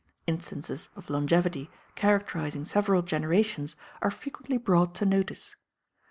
Instances of longevity characterizing several generations are frequently brought to notice.